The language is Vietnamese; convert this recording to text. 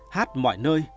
hát mọi nơi